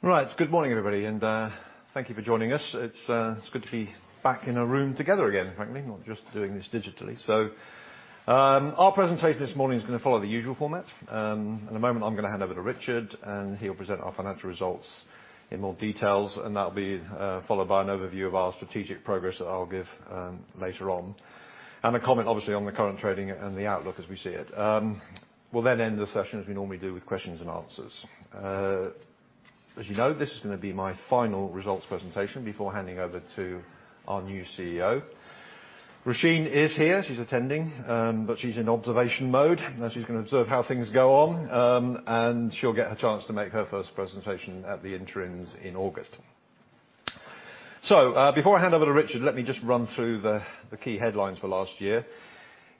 Right. Good morning, everybody, and thank you for joining us. It's good to be back in a room together again, frankly, not just doing this digitally. Our presentation this morning is gonna follow the usual format. In a moment, I'm gonna hand over to Richard, and he'll present our financial results in more details, and that'll be followed by an overview of our strategic progress that I'll give later on. A comment obviously on the current trading and the outlook as we see it. We'll then end the session as we normally do with questions and answers. As you know, this is gonna be my final results presentation before handing over to our new CEO. Roisin is here. She's attending, but she's in observation mode, and she's gonna observe how things go on. She'll get her chance to make her first presentation at the interims in August. Before I hand over to Richard, let me just run through the key headlines for last year.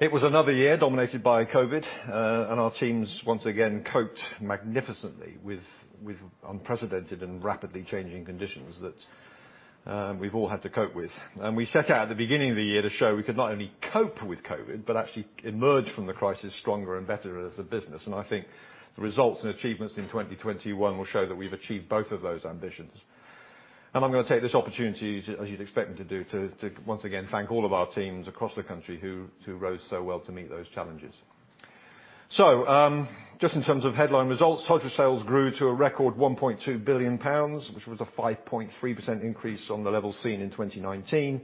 It was another year dominated by COVID, and our teams once again coped magnificently with unprecedented and rapidly changing conditions that we've all had to cope with. We set out at the beginning of the year to show we could not only cope with COVID but actually emerge from the crisis stronger and better as a business, and I think the results and achievements in 2021 will show that we've achieved both of those ambitions. I'm gonna take this opportunity to, as you'd expect me to do, to once again thank all of our teams across the country who rose so well to meet those challenges. Just in terms of headline results, total sales grew to a record 1.2 billion pounds, which was a 5.3% increase on the level seen in 2019.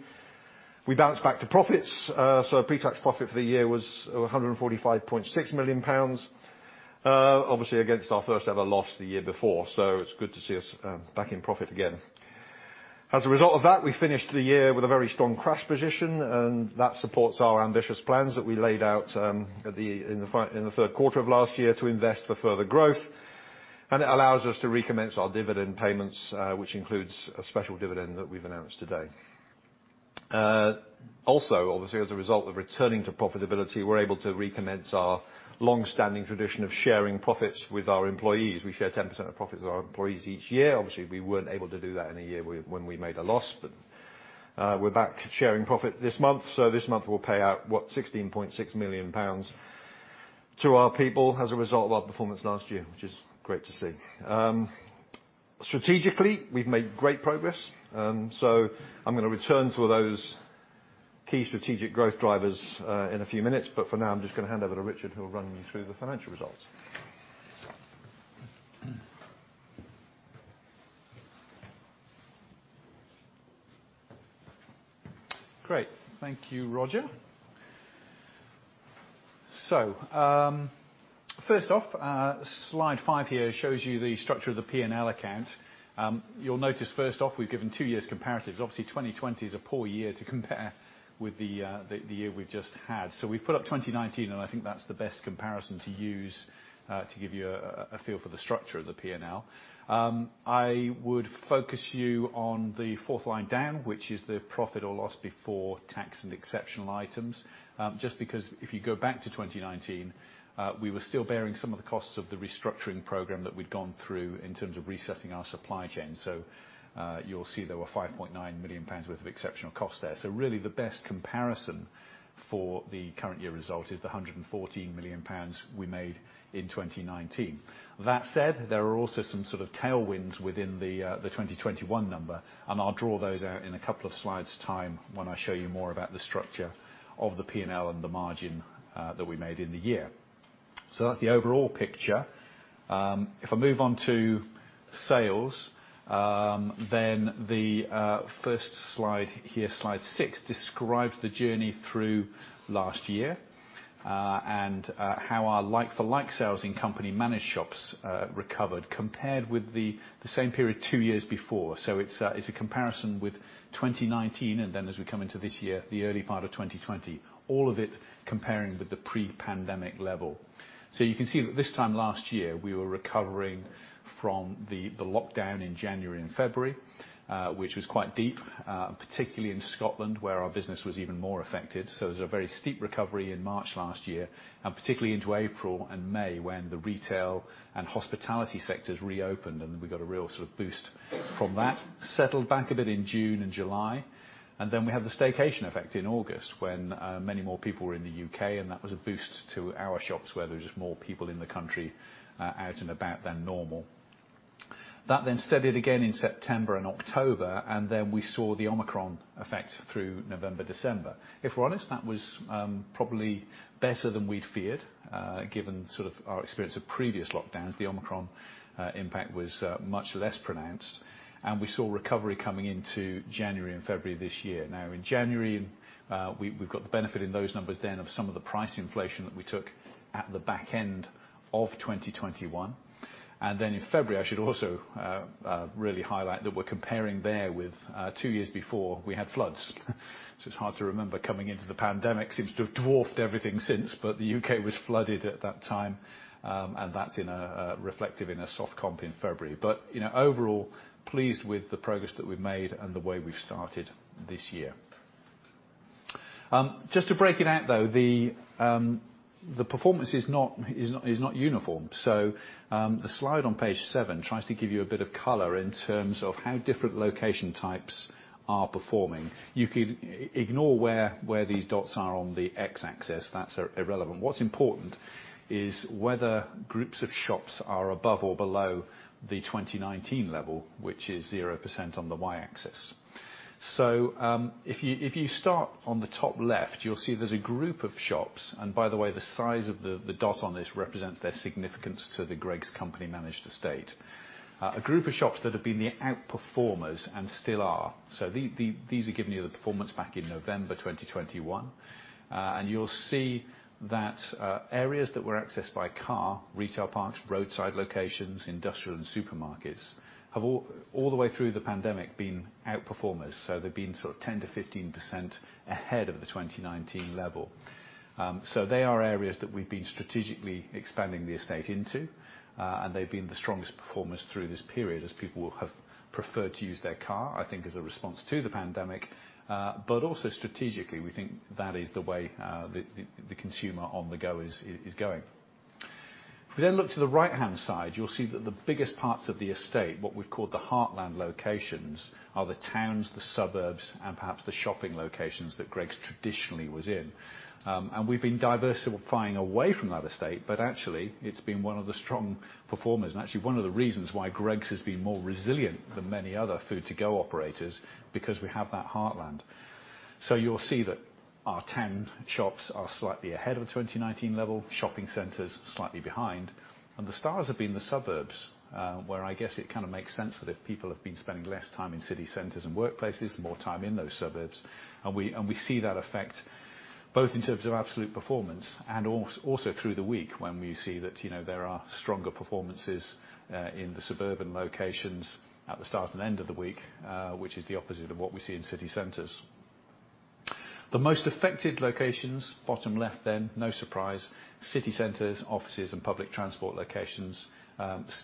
We bounced back to profits, so pre-tax profit for the year was 145.6 million pounds, obviously against our first ever loss the year before, so it's good to see us back in profit again. As a result of that, we finished the year with a very strong cash position, and that supports our ambitious plans that we laid out in the third quarter of last year to invest for further growth. It allows us to recommence our dividend payments, which includes a special dividend that we've announced today. Also, obviously, as a result of returning to profitability, we're able to recommence our long-standing tradition of sharing profits with our employees. We share 10% of profits with our employees each year. Obviously, we weren't able to do that in a year when we made a loss, but we're back sharing profit this month. This month we'll pay out, what, 16.6 million pounds to our people as a result of our performance last year, which is great to see. Strategically, we've made great progress, so I'm gonna return to those key strategic growth drivers in a few minutes, but for now, I'm just gonna hand over to Richard who will run you through the financial results. Great. Thank you, Roger. First off, Slide 5 here shows you the structure of the P&L account. You'll notice first off we've given two years' comparatives. Obviously, 2020 is a poor year to compare with the year we've just had. We've put up 2019, and I think that's the best comparison to use to give you a feel for the structure of the P&L. I would focus you on the fourth line down, which is the profit or loss before tax and exceptional items, just because if you go back to 2019, we were still bearing some of the costs of the restructuring program that we'd gone through in terms of resetting our supply chain. You'll see there were 5.9 million pounds worth of exceptional costs there. Really the best comparison for the current year result is the 114 million pounds we made in 2019. That said, there are also some sort of tailwinds within the 2021 number, and I'll draw those out in a couple of slides' time when I show you more about the structure of the P&L and the margin that we made in the year. That's the overall picture. If I move on to sales, then the first slide here, Slide 6, describes the journey through last year and how our like-for-like sales in company managed shops recovered compared with the same period two years before. It's a comparison with 2019 and then as we come into this year, the early part of 2020, all of it comparing with the pre-pandemic level. You can see that this time last year, we were recovering from the lockdown in January and February, which was quite deep, particularly in Scotland, where our business was even more affected. There was a very steep recovery in March last year, and particularly into April and May, when the retail and hospitality sectors reopened, and we got a real sort of boost from that. Settled back a bit in June and July, and then we had the staycation effect in August, when many more people were in the U.K., and that was a boost to our shops, where there were just more people in the country out and about than normal. That then steadied again in September and October, and then we saw the Omicron effect through November, December. If we're honest, that was probably better than we'd feared, given sort of our experience of previous lockdowns. The Omicron impact was much less pronounced, and we saw recovery coming into January and February this year. Now, in January, we've got the benefit in those numbers then of some of the price inflation that we took at the back end of 2021. In February, I should also really highlight that we're comparing there with two years before we had floods. It's hard to remember coming into the pandemic seems to have dwarfed everything since, but the U.K. was flooded at that time, and that's reflected in a soft comp in February. You know, overall, pleased with the progress that we've made and the way we've started this year. Just to break it out though, the performance is not uniform. The slide on page 7 tries to give you a bit of color in terms of how different location types are performing. You can ignore where these dots are on the X-axis. That's irrelevant. What's important is whether groups of shops are above or below the 2019 level, which is 0% on the Y-axis. If you start on the top left, you'll see there's a group of shops. By the way, the size of the dot on this represents their significance to the Greggs company managed estate. A group of shops that have been the out-performers and still are. These are giving you the performance back in November 2021. You'll see that areas that were accessed by car, retail parks, roadside locations, industrial and supermarkets have all the way through the pandemic been out-performers. They've been sort of 10%-15% ahead of the 2019 level. They are areas that we've been strategically expanding the estate into. They've been the strongest performers through this period as people have preferred to use their car, I think as a response to the pandemic. Also strategically, we think that is the way the consumer on the go is going. If we look to the right-hand side, you'll see that the biggest parts of the estate, what we've called the heartland locations, are the towns, the suburbs, and perhaps the shopping locations that Greggs traditionally was in. We've been diversifying away from that estate, but actually it's been one of the strong performers. Actually one of the reasons why Greggs has been more resilient than many other food to-go operators, because we have that heartland. You'll see that our town shops are slightly ahead of 2019 level, shopping centers slightly behind. The stars have been the suburbs, where I guess it kinda makes sense that if people have been spending less time in city centers and workplaces, more time in those suburbs. We see that effect both in terms of absolute performance and also through the week when we see that, you know, there are stronger performances in the suburban locations at the start and end of the week, which is the opposite of what we see in city centers. The most affected locations, bottom left then, no surprise, city centers, offices, and public transport locations,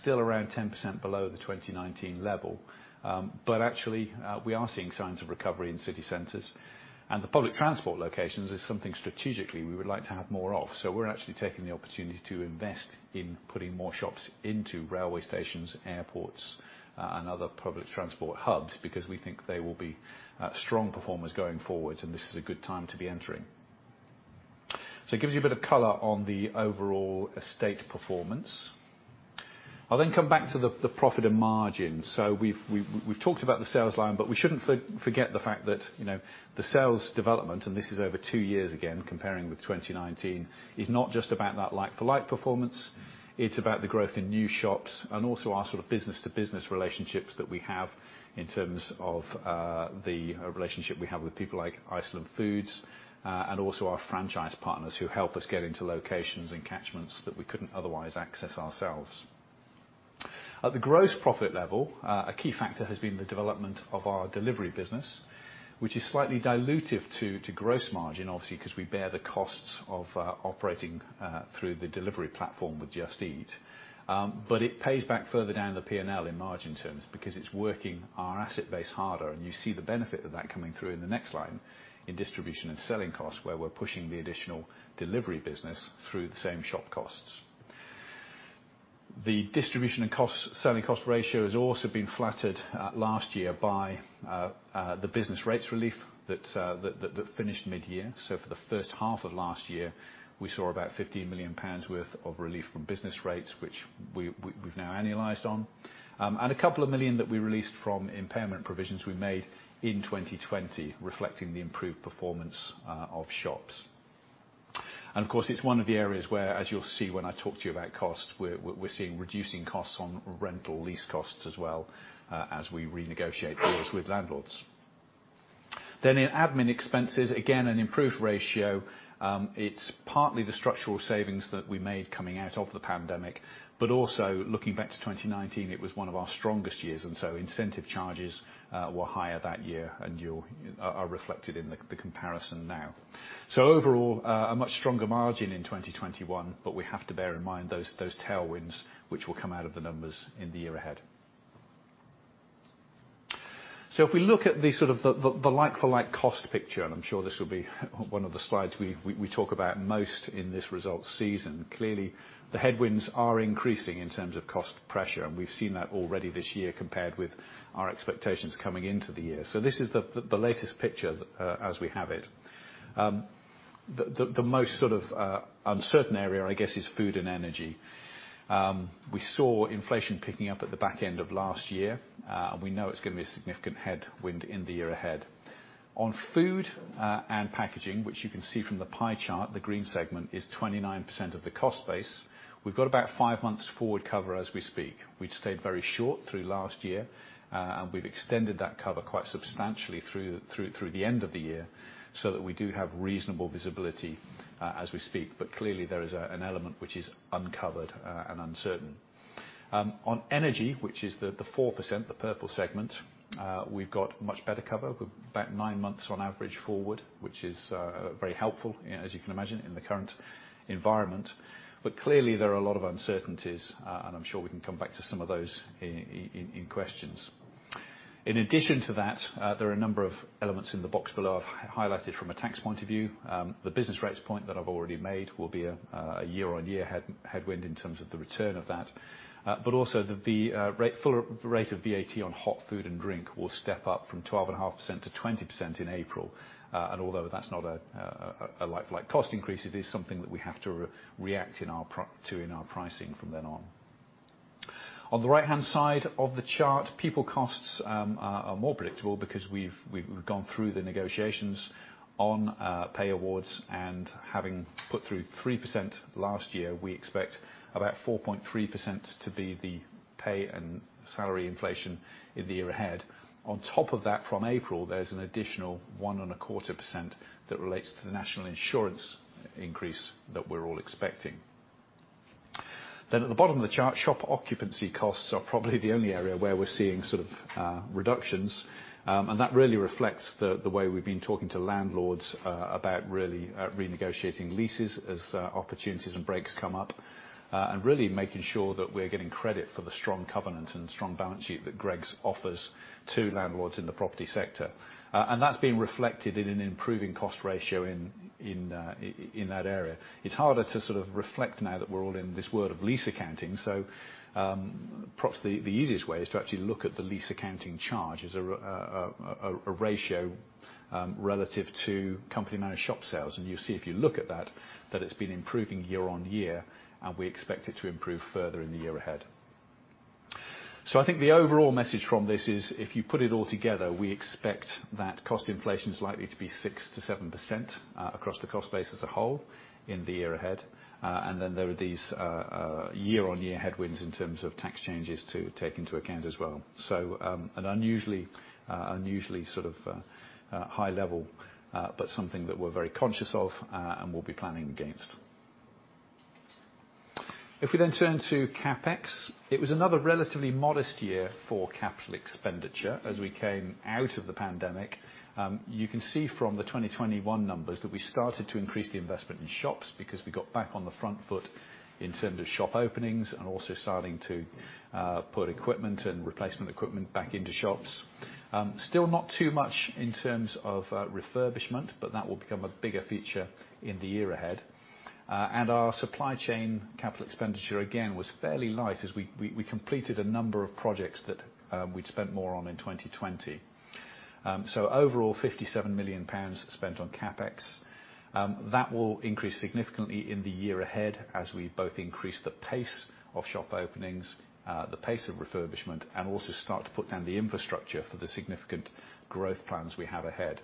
still around 10% below the 2019 level. But actually, we are seeing signs of recovery in city centers. The public transport locations is something strategically we would like to have more of. We're actually taking the opportunity to invest in putting more shops into railway stations, airports, and other public transport hubs because we think they will be strong performers going forward, and this is a good time to be entering. It gives you a bit of color on the overall estate performance. I'll then come back to the profit and margin. We've talked about the sales line, but we shouldn't forget the fact that, you know, the sales development, and this is over two years again, comparing with 2019, is not just about that like-for-like performance. It's about the growth in new shops and also our sort of business to business relationships that we have in terms of, the relationship we have with people like Iceland Foods, and also our franchise partners who help us get into locations and catchments that we couldn't otherwise access ourselves. At the gross profit level, a key factor has been the development of our delivery business, which is slightly dilutive to gross margin, obviously, 'cause we bear the costs of operating through the delivery platform with Just Eat. It pays back further down the P&L in margin terms because it's working our asset base harder, and you see the benefit of that coming through in the next line in distribution and selling costs, where we're pushing the additional delivery business through the same shop costs. The distribution and selling cost ratio has also been flattered last year by the business rates relief that finished mid-year. For the first half of last year, we saw about 15 million pounds worth of relief from business rates, which we've now annualized on. A couple of million that we released from impairment provisions we made in 2020, reflecting the improved performance of shops. Of course, it's one of the areas where, as you'll see when I talk to you about costs, we're seeing reducing costs on rental lease costs as well, as we renegotiate deals with landlords. In admin expenses, again, an improved ratio. It's partly the structural savings that we made coming out of the pandemic, but also looking back to 2019, it was one of our strongest years, and so incentive charges were higher that year, and are reflected in the comparison now. Overall, a much stronger margin in 2021, but we have to bear in mind those tailwinds which will come out of the numbers in the year ahead. If we look at the sort of like-for-like cost picture, and I'm sure this will be one of the slides we talk about most in this results season, clearly the headwinds are increasing in terms of cost pressure, and we've seen that already this year compared with our expectations coming into the year. This is the latest picture as we have it. The most sort of uncertain area, I guess, is food and energy. We saw inflation picking up at the back end of last year, and we know it's gonna be a significant headwind in the year ahead. On food and packaging, which you can see from the pie chart, the green segment, is 29% of the cost base. We've got about five months forward cover as we speak. We'd stayed very short through last year, and we've extended that cover quite substantially through the end of the year so that we do have reasonable visibility, as we speak. Clearly there is an element which is uncovered and uncertain. On energy, which is the 4%, the purple segment, we've got much better cover. We have about nine months on average forward, which is very helpful, as you can imagine, in the current environment. Clearly there are a lot of uncertainties, and I'm sure we can come back to some of those in questions. In addition to that, there are a number of elements in the box below, I've highlighted from a tax point of view. The business rates point that I've already made will be a year-on-year headwind in terms of the return of that. The full rate of VAT on hot food and drink will step up from 12.5%-20% in April. Although that's not a like-for-like cost increase, it is something that we have to react to in our pricing from then on. On the right-hand side of the chart, people costs are more predictable because we've gone through the negotiations on pay awards. Having put through 3% last year, we expect about 4.3% to be the pay and salary inflation in the year ahead. On top of that, from April, there's an additional 1.25% that relates to the National Insurance increase that we're all expecting. At the bottom of the chart, shop occupancy costs are probably the only area where we're seeing reductions. That really reflects the way we've been talking to landlords about really renegotiating leases as opportunities and breaks come up. Really making sure that we're getting credit for the strong covenant and strong balance sheet that Greggs offers to landlords in the property sector. That's been reflected in an improving cost ratio in that area. It's harder to reflect now that we're all in this world of lease accounting. Perhaps the easiest way is to actually look at the lease accounting charge as a ratio relative to company-managed shop sales. You'll see if you look at that it's been improving year-over-year, and we expect it to improve further in the year ahead. I think the overall message from this is, if you put it all together, we expect that cost inflation is likely to be 6%-7% across the cost base as a whole in the year ahead. Then there are these year-over-year headwinds in terms of tax changes to take into account as well. An unusually sort of high level, but something that we're very conscious of, and we'll be planning against. If we then turn to CapEx, it was another relatively modest year for capital expenditure as we came out of the pandemic. You can see from the 2021 numbers that we started to increase the investment in shops because we got back on the front foot in terms of shop openings and also starting to put equipment and replacement equipment back into shops. Still not too much in terms of refurbishment, but that will become a bigger feature in the year ahead. Our supply chain capital expenditure again was fairly light as we completed a number of projects that we'd spent more on in 2020. Overall 57 million pounds spent on CapEx. That will increase significantly in the year ahead as we both increase the pace of shop openings, the pace of refurbishment, and also start to put down the infrastructure for the significant growth plans we have ahead.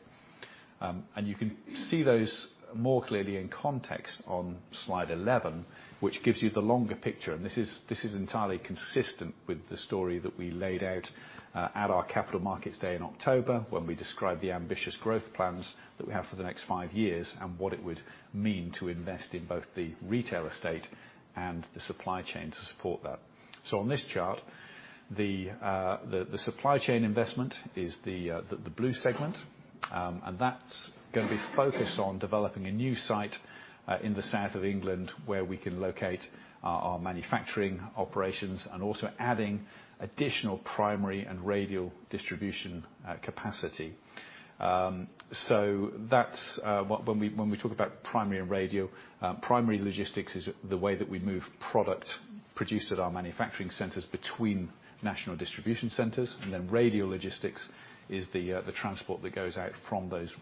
You can see those more clearly in context on Slide 11, which gives you the longer picture. This is entirely consistent with the story that we laid out at our Capital Markets Day in October when we described the ambitious growth plans that we have for the next five years and what it would mean to invest in both the retail estate and the supply chain to support that. On this chart, the supply chain investment is the blue segment. That's gonna be focused on developing a new site in the south of England where we can locate our manufacturing operations and also adding additional primary and radial distribution capacity. When we talk about primary and radial, primary logistics is the way that we move product produced at our manufacturing centers between national distribution centers. Radial logistics is the transport that goes out from those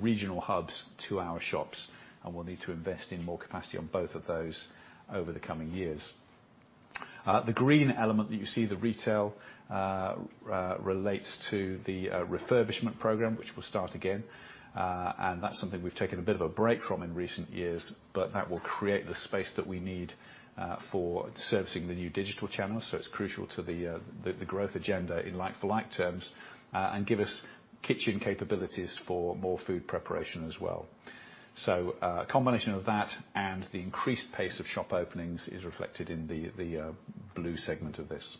regional hubs to our shops, and we'll need to invest in more capacity on both of those over the coming years. The green element that you see, the retail, relates to the refurbishment program, which we'll start again. That's something we've taken a bit of a break from in recent years, but that will create the space that we need for servicing the new digital channels, so it's crucial to the growth agenda in like-for-like terms and give us kitchen capabilities for more food preparation as well. A combination of that and the increased pace of shop openings is reflected in the blue segment of this.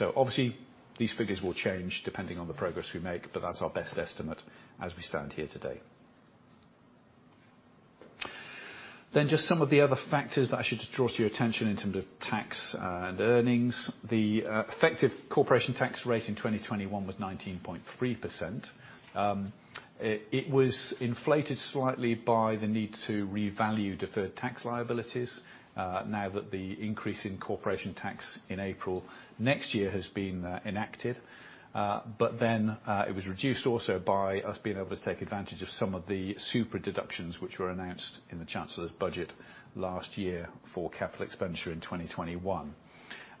Obviously these figures will change depending on the progress we make, but that's our best estimate as we stand here today. Just some of the other factors that I should draw to your attention in terms of tax and earnings. The effective corporation tax rate in 2021 was 19.3%. It was inflated slightly by the need to revalue deferred tax liabilities, now that the increase in corporation tax in April next year has been enacted. It was reduced also by us being able to take advantage of some of the super-deductions which were announced in the Chancellor's budget last year for capital expenditure in 2021.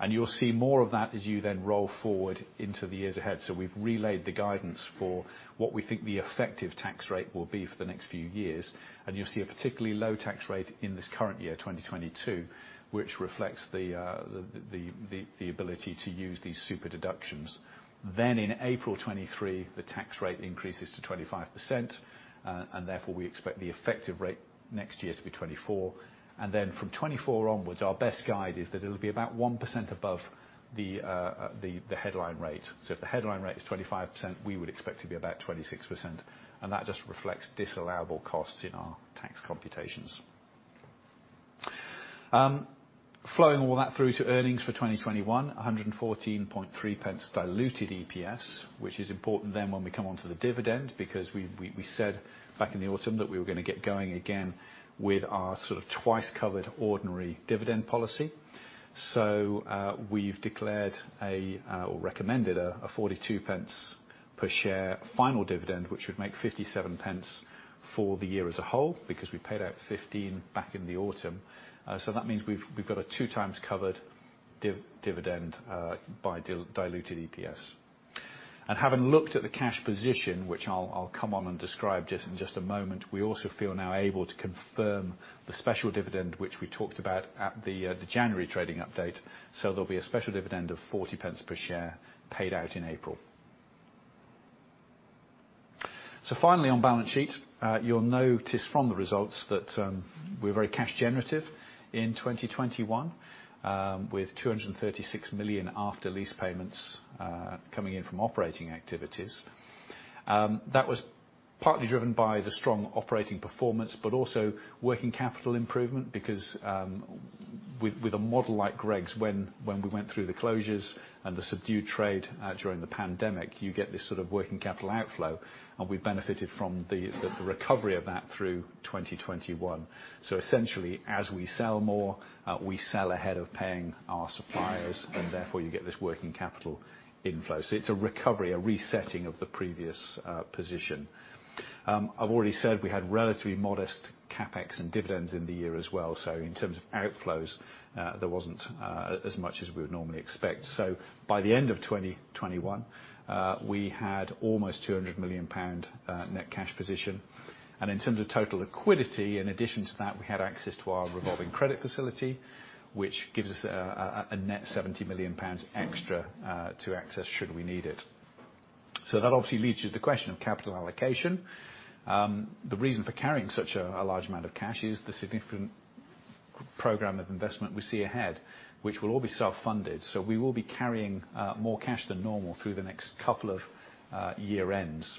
You'll see more of that as you then roll forward into the years ahead. We've relaid the guidance for what we think the effective tax rate will be for the next few years, and you'll see a particularly low tax rate in this current year, 2022, which reflects the ability to use these super-deductions. In April 2023, the tax rate increases to 25%, and therefore we expect the effective rate next year to be 24%. From 2024 onwards, our best guide is that it'll be about 1% above the headline rate. If the headline rate is 25%, we would expect to be about 26%, and that just reflects disallowable costs in our tax computations. Flowing all that through to earnings for 2021, 114.3 pence diluted EPS, which is important then when we come onto the dividend because we said back in the autumn that we were gonna get going again with our sort of twice-covered ordinary dividend policy. We've declared or recommended a 0.42 per share final dividend, which would make 0.57 for the year as a whole, because we paid out 0.15 back in the autumn. That means we've got a 2x covered dividend by diluted EPS. Having looked at the cash position, which I'll come on and describe just a moment, we also feel now able to confirm the special dividend, which we talked about at the January trading update. There'll be a special dividend of 0.40 per share paid out in April. Finally, on balance sheet, you'll notice from the results that we're very cash generative in 2021, with 236 million after lease payments coming in from operating activities. That was partly driven by the strong operating performance, but also working capital improvement because, with a model like Greggs, when we went through the closures and the subdued trade during the pandemic, you get this sort of working capital outflow, and we benefited from the recovery of that through 2021. Essentially, as we sell more, we sell ahead of paying our suppliers, and therefore you get this working capital inflow. It's a recovery, a resetting of the previous position. I've already said we had relatively modest CapEx and dividends in the year as well. In terms of outflows, there wasn't as much as we would normally expect. By the end of 2021, we had almost 200 million pound net cash position. In terms of total liquidity, in addition to that, we had access to our revolving credit facility, which gives us a net 70 million pounds extra to access should we need it. That obviously leads you to the question of capital allocation. The reason for carrying such a large amount of cash is the significant program of investment we see ahead, which will all be self-funded. We will be carrying more cash than normal through the next couple of year ends.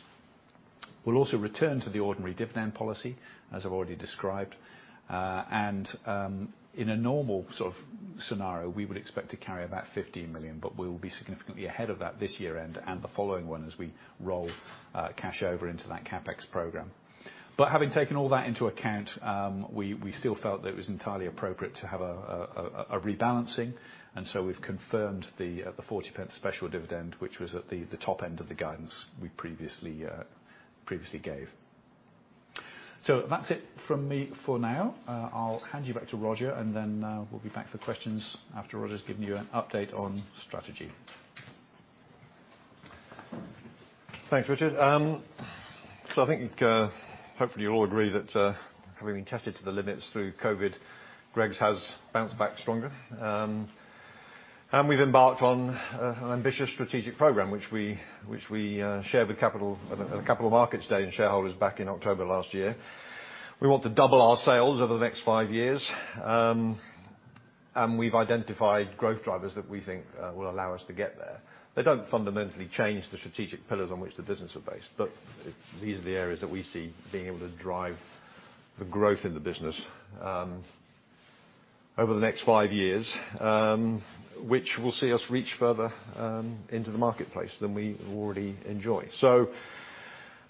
We'll also return to the ordinary dividend policy, as I've already described. In a normal sort of scenario, we would expect to carry about 15 million, but we will be significantly ahead of that this year end and the following one as we roll cash over into that CapEx program. Having taken all that into account, we still felt that it was entirely appropriate to have a rebalancing. We've confirmed the 0.40 special dividend, which was at the top end of the guidance we previously gave. That's it from me for now. I'll hand you back to Roger, and then we'll be back for questions after Roger's given you an update on strategy. Thanks, Richard. So I think, hopefully you'll all agree that, having been tested to the limits through COVID, Greggs has bounced back stronger. We've embarked on an ambitious strategic program, which we shared with capital markets at Capital Markets Day and shareholders back in October last year. We want to double our sales over the next five years. We've identified growth drivers that we think will allow us to get there. They don't fundamentally change the strategic pillars on which the business are based, but these are the areas that we see being able to drive the growth in the business over the next five years, which will see us reach further into the marketplace than we already enjoy.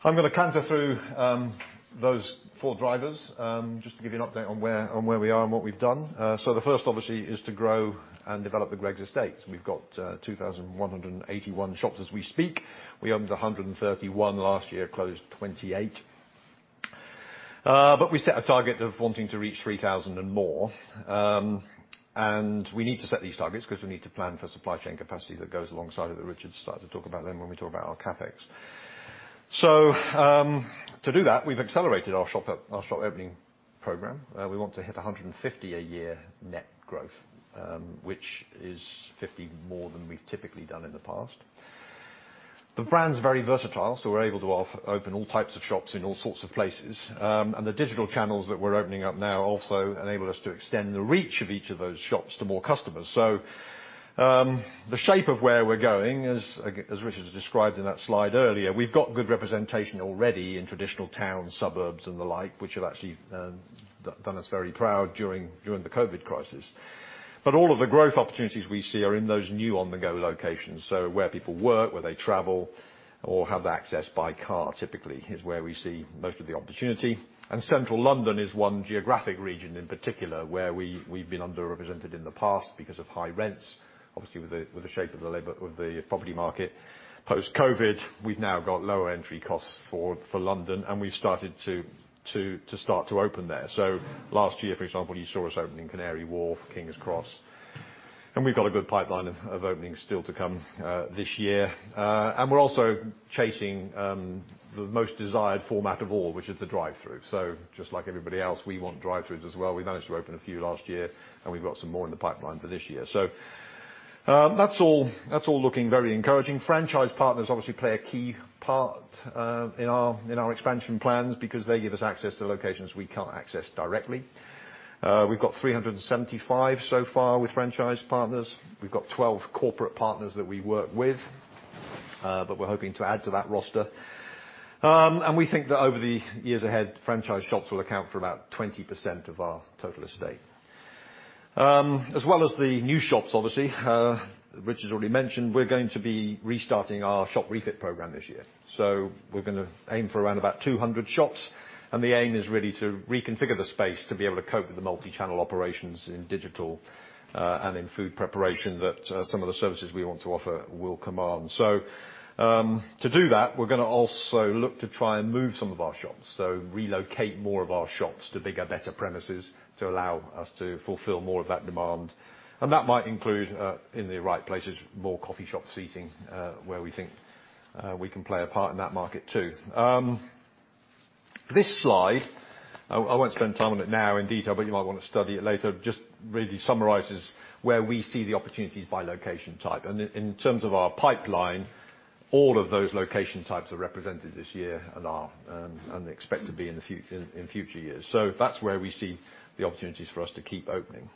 I'm gonna canter through those four drivers just to give you an update on where we are and what we've done. The first obviously is to grow and develop the Greggs estate. We've got 2,181 shops as we speak. We opened 131 last year, closed 28. We set a target of wanting to reach 3,000 and more. We need to set these targets 'cause we need to plan for supply chain capacity that goes alongside of that Richard started to talk about then when we talk about our CapEx. To do that, we've accelerated our shop opening program. We want to hit 150 a year net growth, which is 50 more than we've typically done in the past. The brand's very versatile, so we're able to open all types of shops in all sorts of places. The digital channels that we're opening up now also enable us to extend the reach of each of those shops to more customers. The shape of where we're going, as Richard described in that slide earlier, we've got good representation already in traditional towns, suburbs, and the like, which have actually done us very proud during the COVID crisis. All of the growth opportunities we see are in those new on-the-go locations. Where people work, where they travel, or have access by car typically is where we see most of the opportunity. Central London is one geographic region in particular where we've been underrepresented in the past because of high rents. Obviously, with the shape of the labor, with the property market post-COVID, we've now got lower entry costs for London, and we've started to open there. Last year, for example, you saw us opening Canary Wharf, King's Cross. We've got a good pipeline of openings still to come this year. We're also chasing the most desired format of all, which is the drive-thru. Just like everybody else, we want drive-thrus as well. We managed to open a few last year, and we've got some more in the pipeline for this year. That's all looking very encouraging. Franchise partners obviously play a key part in our expansion plans because they give us access to locations we can't access directly. We've got 375 so far with franchise partners. We've got 12 corporate partners that we work with, but we're hoping to add to that roster. We think that over the years ahead, franchise shops will account for about 20% of our total estate. As well as the new shops, obviously, Richard's already mentioned, we're going to be restarting our shop refit program this year. We're gonna aim for around about 200 shops, and the aim is really to reconfigure the space to be able to cope with the multichannel operations in digital, and in food preparation that some of the services we want to offer will command. To do that, we're gonna also look to try and move some of our shops to bigger, better premises to allow us to fulfill more of that demand. That might include, in the right places, more coffee shop seating, where we think we can play a part in that market too. This slide, I won't spend time on it now in detail, but you might wanna study it later, just really summarizes where we see the opportunities by location type. In terms of our pipeline, all of those location types are represented this year and expect to be in future years. That's where we see the opportunities for us to keep opening.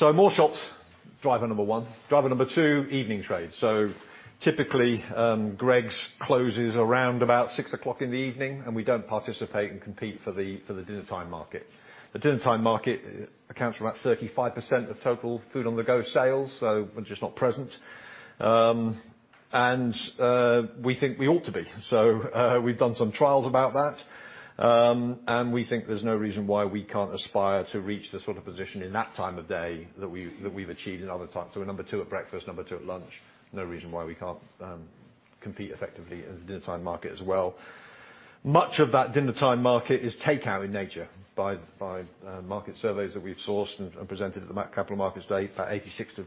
More shops, driver number one. Driver number two, evening trade. Typically, Greggs closes around 6:00 P.M., and we don't participate and compete for the dinnertime market. The dinnertime market accounts for about 35% of total food-on-the-go sales, so we're just not present. We think we ought to be. We've done some trials about that. We think there's no reason why we can't aspire to reach the sort of position in that time of day that we've achieved in other times. We're Number 2 at breakfast, Number 2 at lunch. No reason why we can't compete effectively in the dinnertime market as well. Much of that dinnertime market is takeout in nature by market surveys that we've sourced and presented at the Capital Markets Day. About 86%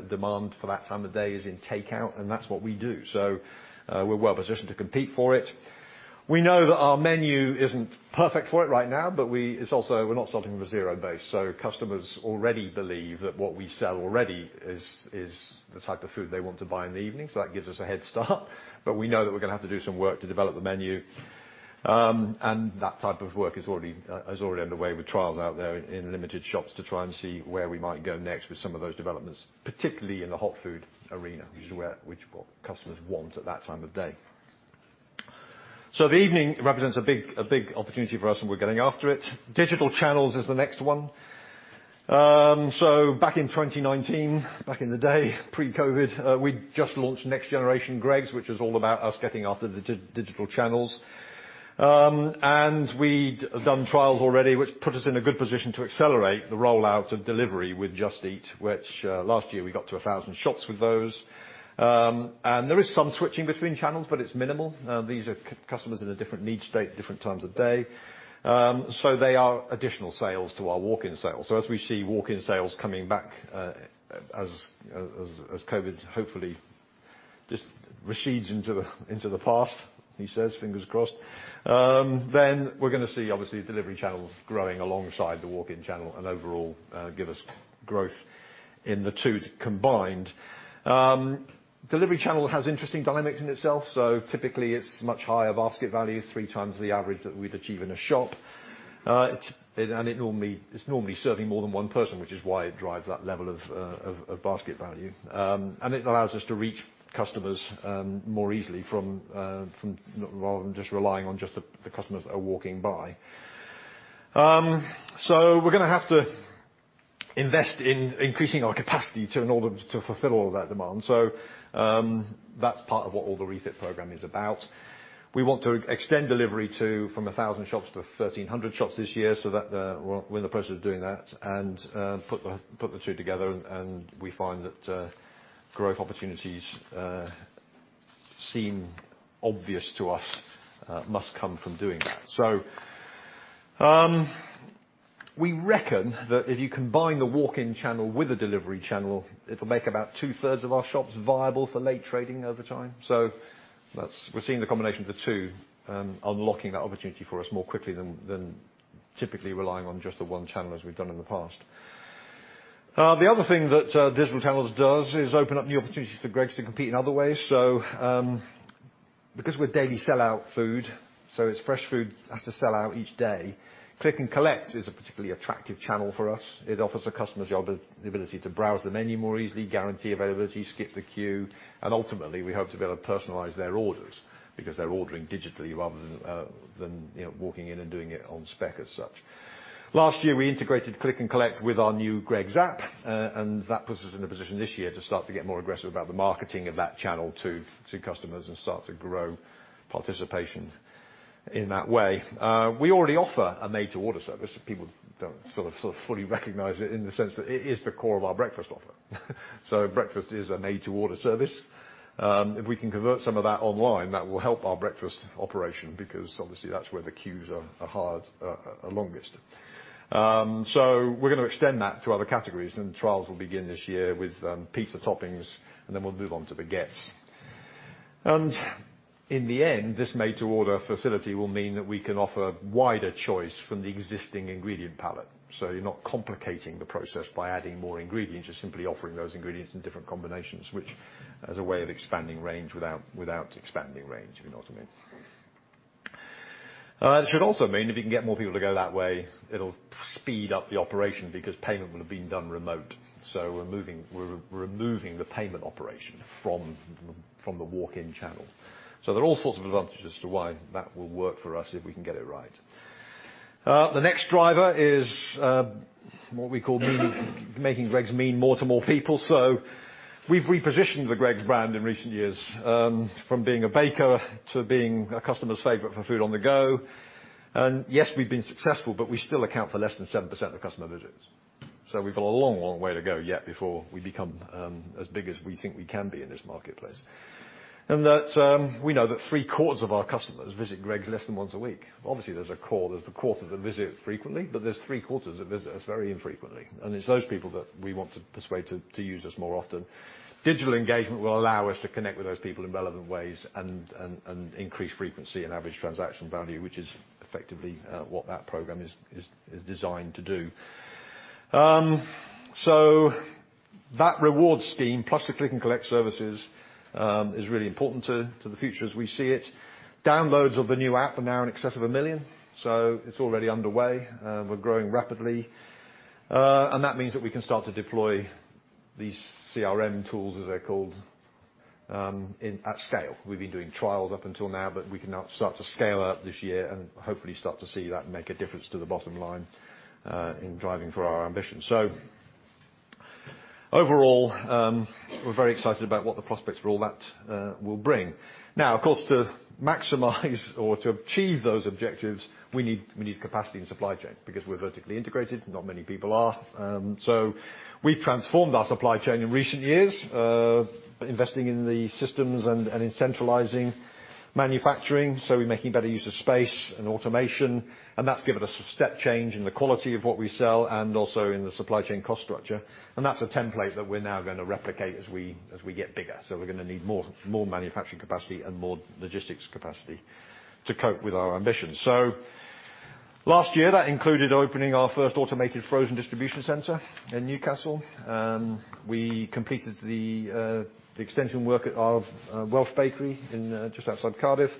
of demand for that time of day is in takeout, and that's what we do. We're well positioned to compete for it. We know that our menu isn't perfect for it right now, but it's also we're not starting from a zero base. Customers already believe that what we sell already is the type of food they want to buy in the evening, so that gives us a head start. We know that we're gonna have to do some work to develop the menu. That type of work is already underway with trials out there in limited shops to try and see where we might go next with some of those developments, particularly in the hot food arena, which well, customers want at that time of day. The evening represents a big opportunity for us, and we're going after it. Digital channels is the next one. Back in 2019, back in the day, pre-COVID, we just launched Next Generation Greggs, which is all about us getting after digital channels. We'd done trials already, which put us in a good position to accelerate the rollout of delivery with Just Eat, which, last year, we got to 1,000 shops with those. There is some switching between channels, but it's minimal. These are customers in a different need state at different times of day. They are additional sales to our walk-in sales. As we see walk-in sales coming back, as COVID hopefully just recedes into the past, he says, fingers crossed, then we're gonna see obviously delivery channels growing alongside the walk-in channel and overall, give us growth in the two combined. Delivery channel has interesting dynamics in itself. Typically, it's much higher basket value, three times the average that we'd achieve in a shop. It's normally serving more than one person, which is why it drives that level of basket value. It allows us to reach customers more easily rather than just relying on just the customers that are walking by. We're gonna have to invest in increasing our capacity in order to fulfill all of that demand. That's part of what all the refit program is about. We want to extend delivery from 1,000 shops to 1,300 shops this year. We're in the process of doing that and put the two together, and we find that growth opportunities seem obvious to us must come from doing that. We reckon that if you combine the walk-in channel with the delivery channel, it'll make about 2/3 of our shops viable for late trading over time. We're seeing the combination of the two, unlocking that opportunity for us more quickly than typically relying on just the one channel as we've done in the past. The other thing that digital channels does is open up new opportunities for Greggs to compete in other ways. Because we're daily sellout food, it's fresh food has to sell out each day, Click and Collect is a particularly attractive channel for us. It offers the customer the ability to browse the menu more easily, guarantee availability, skip the queue, and ultimately, we hope to be able to personalize their orders because they're ordering digitally rather than than, you know, walking in and doing it on spec as such. Last year, we integrated Click and Collect with our new Greggs App, and that puts us in a position this year to start to get more aggressive about the marketing of that channel to customers and start to grow participation in that way. We already offer a made-to-order service. People don't sort of fully recognize it in the sense that it is the core of our breakfast offer. Breakfast is a made-to-order service. If we can convert some of that online, that will help our breakfast operation because obviously that's where the queues are hardest. We're gonna extend that to other categories, and trials will begin this year with pizza toppings, and then we'll move on to baguettes. In the end, this made-to-order facility will mean that we can offer wider choice from the existing ingredient palette. You're not complicating the process by adding more ingredients. You're simply offering those ingredients in different combinations, which is a way of expanding range without expanding range, if you know what I mean. It should also mean if you can get more people to go that way, it'll speed up the operation because payment will have been done remotely. We're removing the payment operation from the walk-in channel. There are all sorts of advantages to why that will work for us if we can get it right. The next driver is what we call meaning making Greggs mean more to more people. We've repositioned the Greggs brand in recent years from being a baker to being a customer's favorite for food on the go. Yes, we've been successful, but we still account for less than 7% of customer visits. We've got a long, long way to go yet before we become as big as we think we can be in this marketplace. That we know that three-quarters of our customers visit Greggs less than once a week. Obviously, there's a core, there's the quarter that visit frequently, but there's three-quarters that visit us very infrequently, and it's those people that we want to persuade to use us more often. Digital engagement will allow us to connect with those people in relevant ways and increase frequency and average transaction value, which is effectively what that program is designed to do. That rewards scheme, plus the Click and Collect services, is really important to the future as we see it. Downloads of the new app are now in excess of 1 million, so it's already underway. We're growing rapidly, and that means that we can start to deploy these CRM tools, as they're called, at scale. We've been doing trials up until now, but we can now start to scale up this year and hopefully start to see that make a difference to the bottom line in driving for our ambitions. Overall, we're very excited about what the prospects for all that will bring. Now, of course, to maximize or to achieve those objectives, we need capacity and supply chain because we're vertically integrated. Not many people are. We've transformed our supply chain in recent years, investing in the systems and in centralizing manufacturing, so we're making better use of space and automation, and that's given us a step change in the quality of what we sell and also in the supply chain cost structure. That's a template that we're now gonna replicate as we get bigger. We're gonna need more manufacturing capacity and more logistics capacity to cope with our ambitions. Last year, that included opening our first automated frozen distribution center in Newcastle. We completed the extension work of Welsh Bakery in just outside Cardiff,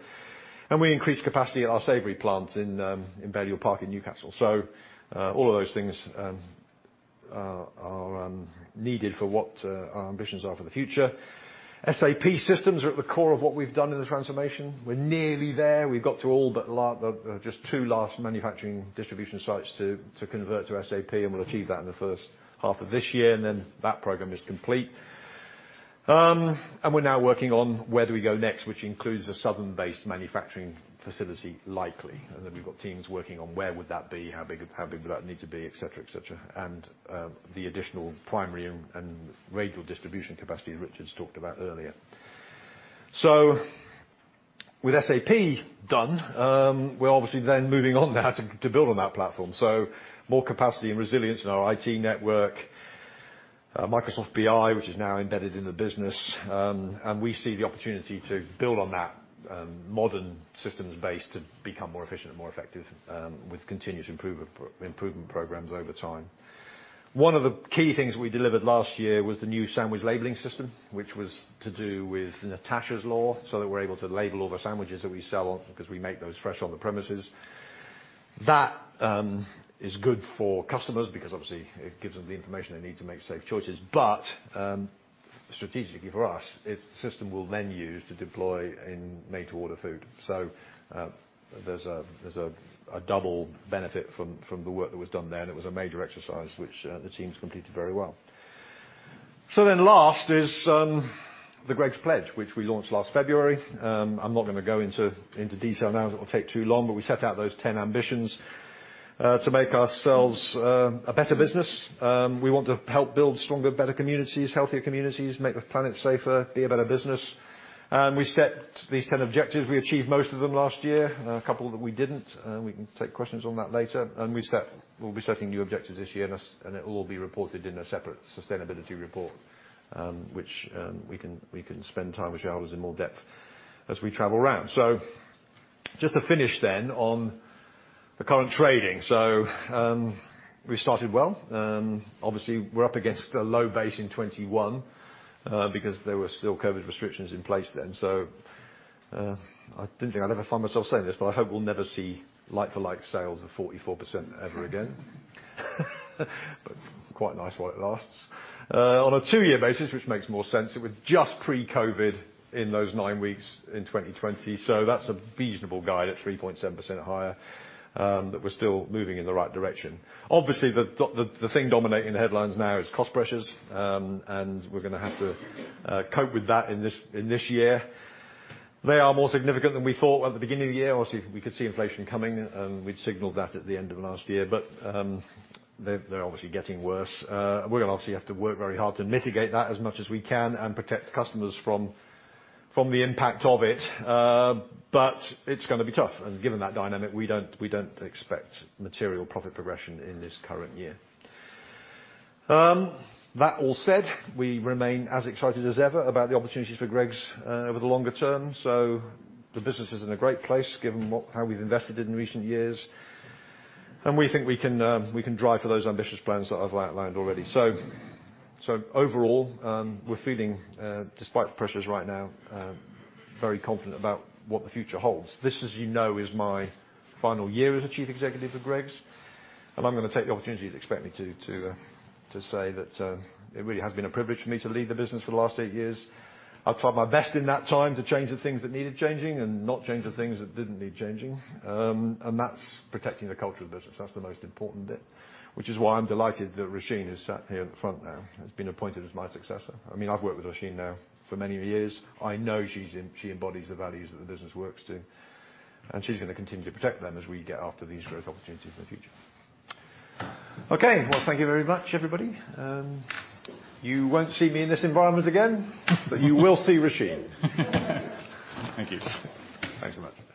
and we increased capacity at our savory plant in Balliol Park in Newcastle. All of those things are needed for what our ambitions are for the future. SAP systems are at the core of what we've done in the transformation. We're nearly there. We've got all but just two last manufacturing distribution sites to convert to SAP, and we'll achieve that in the first half of this year, and then that program is complete. We're now working on where do we go next, which includes a southern-based manufacturing facility, likely, and then we've got teams working on where would that be, how big would that need to be, et cetera, et cetera, and the additional primary and radial distribution capacity Richard's talked about earlier. With SAP done, we're obviously then moving on now to build on that platform. More capacity and resilience in our IT network. Microsoft BI, which is now embedded in the business. We see the opportunity to build on that modern systems base to become more efficient and more effective with continuous improvement process improvement programs over time. One of the key things we delivered last year was the new sandwich labeling system, which was to do with Natasha's Law, so that we're able to label all the sandwiches that we sell off because we make those fresh on the premises. That is good for customers because obviously it gives them the information they need to make safe choices. Strategically for us, it's the system we'll then use to deploy in made-to-order food. There's a double benefit from the work that was done there, and it was a major exercise which the teams completed very well. Last is the Greggs Pledge, which we launched last February. I'm not gonna go into detail now as it will take too long, but we set out those ten ambitions to make ourselves a better business. We want to help build stronger, better communities, healthier communities, make the planet safer, be a better business. We set these ten objectives. We achieved most of them last year, and a couple that we didn't, we can take questions on that later. We'll be setting new objectives this year and it will all be reported in a separate sustainability report, which we can spend time with shareholders in more depth as we travel around. Just to finish then on the current trading. We started well. Obviously we're up against a low base in 2021, because there were still COVID restrictions in place then. I didn't think I'd ever find myself saying this, but I hope we'll never see like-for-like sales of 44% ever again. Quite nice while it lasts. On a two-year basis, which makes more sense, it was just pre-COVID in those nine weeks in 2020, so that's a reasonable guide at 3.7% higher, that we're still moving in the right direction. Obviously, the thing dominating the headlines now is cost pressures, and we're gonna have to cope with that in this year. They are more significant than we thought at the beginning of the year. Obviously, we could see inflation coming, and we'd signaled that at the end of last year. They're obviously getting worse. We're gonna obviously have to work very hard to mitigate that as much as we can and protect customers from the impact of it. It's gonna be tough. Given that dynamic, we don't expect material profit progression in this current year. That all said, we remain as excited as ever about the opportunities for Greggs over the longer-term. The business is in a great place given how we've invested in recent years. We think we can drive for those ambitious plans that I've outlined already. Overall, we're feeling despite the pressures right now very confident about what the future holds. This, as you know, is my final year as the Chief Executive for Greggs, and I'm gonna take the opportunity you'd expect me to say that it really has been a privilege for me to lead the business for the last eight years. I've tried my best in that time to change the things that needed changing and not change the things that didn't need changing. That's protecting the culture of the business. That's the most important bit, which is why I'm delighted that Roisin is sat here at the front now, has been appointed as my successor. I mean, I've worked with Roisin now for many years. I know she's she embodies the values that the business works to, and she's gonna continue to protect them as we get after these growth opportunities in the future. Okay. Well, thank you very much, everybody. You won't see me in this environment again, but you will see Roisin. Thank you. Thanks so much.